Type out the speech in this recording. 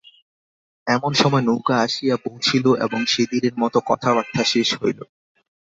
এমন সময় নৌকা আসিয়া পৌঁছিল এবং সেদিনের মত কথাবার্তা শেষ হইল।